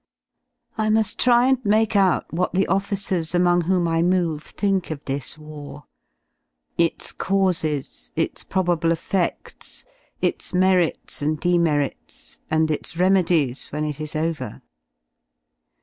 I mu^ try and make out what the officers among whom I move think of this war, its causes, its probable effedls, its moots and demjerits, and its remedi^ when it is over.